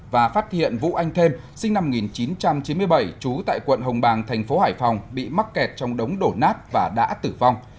và phát hiện vũ anh thêm sinh năm một nghìn chín trăm chín mươi bảy trú tại quận hồng bàng thành phố hải phòng bị mắc kẹt trong đống đổ nát và đã tử vong